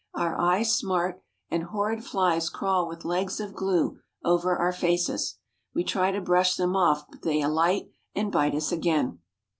Our eyes smart, and horrid flies crawl with legs of glue over our faces. We try to brush them off but they alight and bite us again.